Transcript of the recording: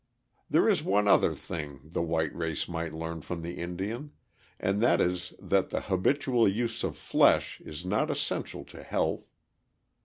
There is one other thing the white race might learn from the Indian, and that is that the habitual use of flesh is not essential to health.